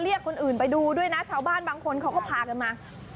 เรียกคนอื่นไปดูด้วยนะชาวบ้านบางคนเขาก็พากันมา